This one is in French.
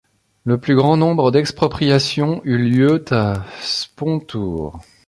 Le plus grand nombre d'expropriations eut lieu à Spontour.